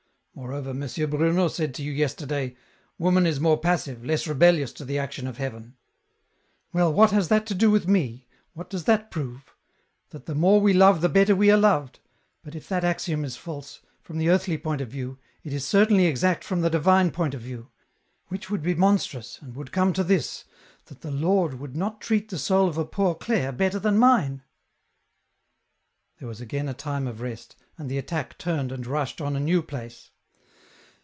Moreover, M. Bruno said to you yesterday, ' Woman is more passive, less rebellious to the action of Heaven ...'" Well, what has that to do with me , what does that prove ? that the more we love the better we are loved : but if that axiom is false, from the earthly point ot view, it is EN ROUTE. 239 certainly exact from the divine point of view ; which would be monstrous, and would come to this, that the Lord would not treat the soul of a Poor Clare better than mine." There was again a time of rest, and the attack turned and rushed on a new place.